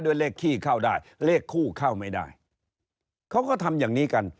เลขขี้เข้าได้เลขคู่เข้าไม่ได้เขาก็ทำอย่างนี้กัน